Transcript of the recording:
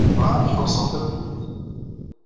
Bɣiɣ ad ak-xellṣeɣ tabyirt.